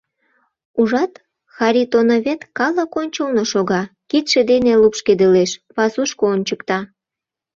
Ужат, Харитоновет калык ончылно шога, кидше дене лупшкедылеш, пасушко ончыкта.